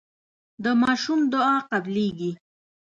د ماشوم دعا قبليږي.